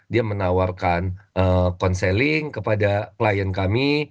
dia menawarkan konseling kepada klien kami